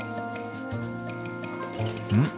うん？